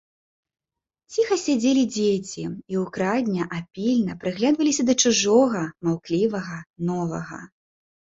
Ціха сядзелі дзеці і ўкрадня, а пільна прыглядаліся да чужога, маўклівага, новага.